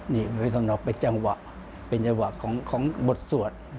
นี่เป็นสำนองเป็นจังหวะเป็นจังหวะของของบทสวดเนี่ย